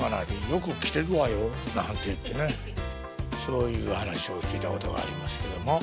「よく切てるわよ」なんて言ってねそういう話を聞いたことがありますけども。